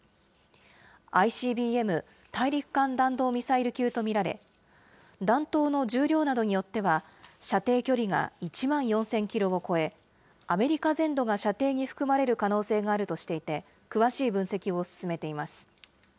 ＩＣＢＭ・大陸間弾道ミサイル級と見られ、弾頭の重量などによっては、射程距離が１万４０００キロを超え、アメリカ全土が射程に含まれる可能性があるとしていて、詳しい分析を進めています。